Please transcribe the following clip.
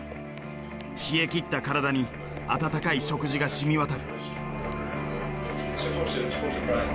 冷え切った体に温かい食事がしみ渡る。